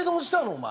お前。